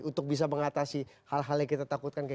untuk bisa mengatasi hal hal yang kita takutkan